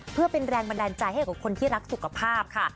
เพื่อเป็นแรงบันดาลใจให้กับคนที่รักสุขภาพค่ะ